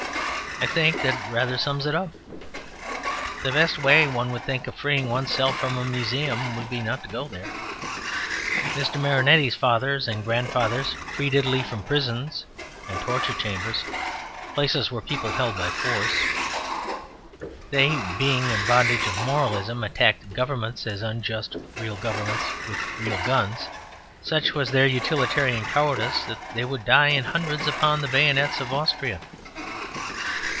I think that rather sums it up. The best way, one would think, of freeing oneself from a museum would be not to go there. Mr. Marinetti's fathers and grandfathers freed Italy from prisons and torture chambers, places where people were held by force. They, being in the bondage of "moralism," attacked Governments as unjust, real Governments, with real guns. Such was their utilitarian cowardice that they would die in hundreds upon the bayonets of Austria.